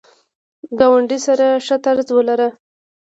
ګاونډي سره ښه طرز ولره